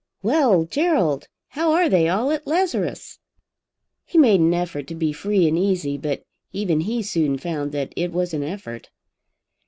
Well, Gerald, how are they all at Lazarus?" He made an effort to be free and easy, but even he soon found that it was an effort.